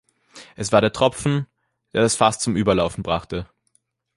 Es war der Tropfen, der das Fass zum Überlaufen brachte.